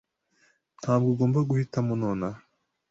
Ntabwo ugomba guhitamo nonaha.